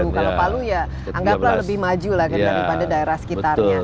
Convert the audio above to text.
kalau palu ya anggaplah lebih maju lah daripada daerah sekitarnya